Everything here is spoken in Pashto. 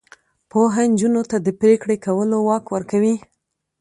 پوهه نجونو ته د پریکړې کولو واک ورکوي.